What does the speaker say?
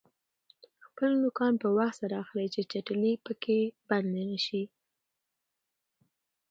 خپلې نوکان په وخت سره اخلئ چې چټلي پکې بنده نشي.